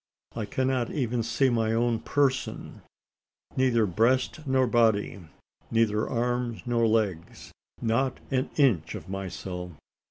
I cannot even see my own person neither breast nor body neither arms nor legs not an inch of myself.